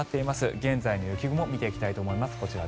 現在の雪雲見ていきたいと思います。